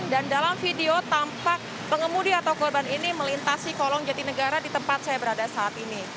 dan di video tampak pengemudi atau korban ini melintasi kolong jatinegara di tempat saya berada saat ini